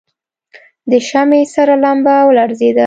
د شمعې سره لمبه ولړزېده.